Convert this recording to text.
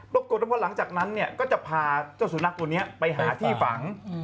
ปรากฏว่าหลังจากนั้นเนี่ยก็จะพาเจ้าสุนัขตัวนี้ไปหาที่ฝัง